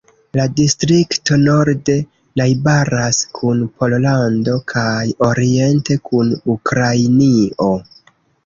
La distrikto norde najbaras kun Pollando kaj oriente kun Ukrainio.